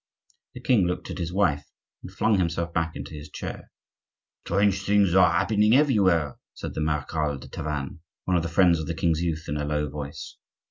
The king looked at his wife and flung himself back into his chair. "Strange things are happening everywhere," said the Marechal de Tavannes, one of the friends of the king's youth, in a low voice.